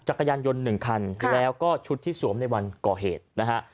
จักรยานยนต์๑คันแล้วก็ชุดที่สวมในวันก่อเหตุนะฮะ